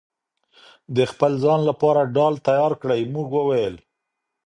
د خپل ځان لپاره ډال تيار کړئ!! مونږ وويل: